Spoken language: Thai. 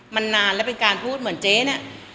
มันนานแล้วเป็นการพูดเหมือนเจ๊เนี่ย